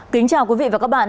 kính chào quý vị và các bạn